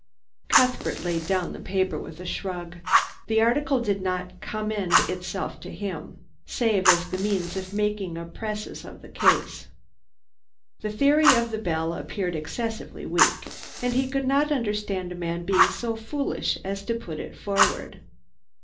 Cuthbert laid down the paper with a shrug. The article did not commend itself to him, save as the means of making a precis of the case. The theory of the bell appeared excessively weak, and he could not understand a man being so foolish as to put it forward.